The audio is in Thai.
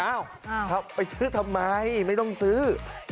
ไปซื้อทำไมไม่ต้องซื้อ